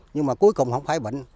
nhưng mà cuối cùng không phải bệnh